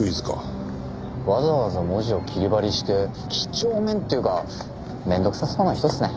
わざわざ文字を切り貼りして几帳面っていうか面倒くさそうな人っすね。